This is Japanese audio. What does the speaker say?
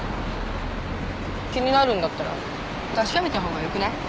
気になるんだったら確かめた方がよくない？